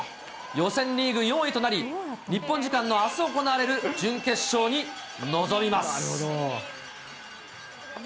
予選リーグ４位となり、日本時間のあす行われる準決勝に臨みます。